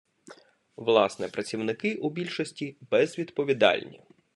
Власне, працівники у більшості безвідповідальні.